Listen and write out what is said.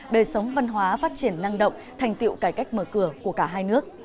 đời sống văn hóa phát triển năng động thành tiệu cải cách mở cửa của cả hai nước